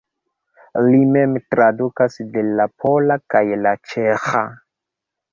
Li mem tradukas de la pola kaj la ĉeĥa.